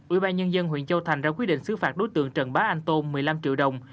ủy ban nhân dân huyện châu thành ra quyết định xứ phạt đối tượng trần bá anh tôn một mươi năm triệu đồng